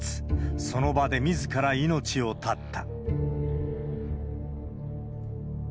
その場でみずから命を絶った。